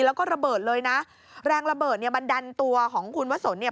แล้วก็ระเบิดเลยนะแรงระเบิดเนี่ยมันดันตัวของคุณวะสนเนี่ย